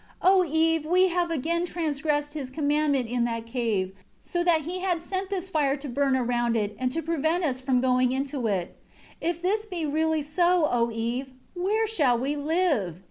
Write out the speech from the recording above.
6 O Eve, we have again transgressed His commandment in that cave, so that He had sent this fire to burn around it, and to prevent us from going into it. 7 If this be really so, O Eve, where shall we live?